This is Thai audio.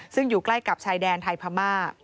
ซึ่งอยู่ใกล้กับชายแดนไทยพม่า